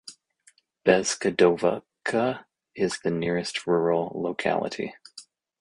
Bezgodovka is the nearest rural locality.